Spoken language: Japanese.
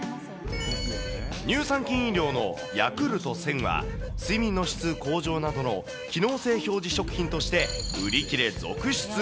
乳酸菌飲料のヤクルト１０００は、睡眠の質向上などの機能性表示食品として売り切れ続出。